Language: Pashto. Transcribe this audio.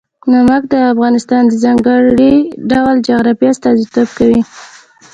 نمک د افغانستان د ځانګړي ډول جغرافیه استازیتوب کوي.